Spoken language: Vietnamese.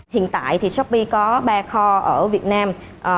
hiện tại thì shopee có ba kho ở việt nam